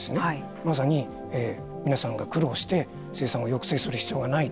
まさに皆さんが苦労して生産を抑制する必要はないと。